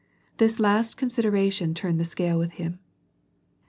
This last consideration turned the scale with him.